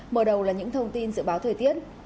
mở đầu là những thông tin dự báo thời tiết